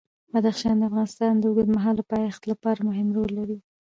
بدخشان د افغانستان د اوږدمهاله پایښت لپاره مهم رول لري.